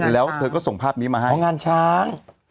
แล้วเธอก็ส่งภาพนี้มาให้อ๋องานช้าง